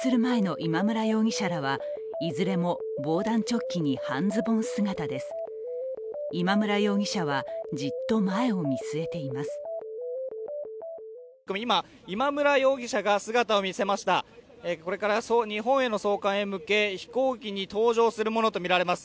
今村容疑者はじっと前を見据えています。